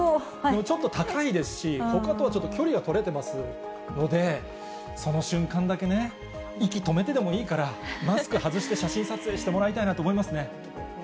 ちょっと高いですし、ほかとは距離が取れてますので、その瞬間だけね、息止めてでもいいから、マスク外して、写真撮影してもら本当ですね。